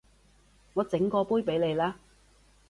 我整過杯畀你啦